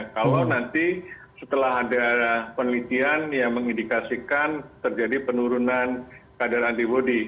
kalau nanti setelah ada penelitian yang mengindikasikan terjadi penurunan kadar antibody